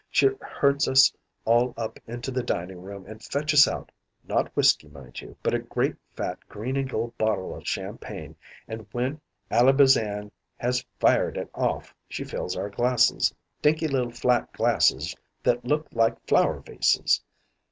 She herds us all up into the dining room and fetches out not whisky, mind you but a great, fat, green and gold bottle o' champagne, an' when Ally Bazan has fired it off, she fills our glasses dinky little flat glasses that looked like flower vases.